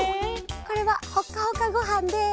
これはほかほかごはんです。